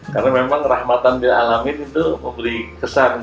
karena memang rahmatan dia alamin itu memberi kesan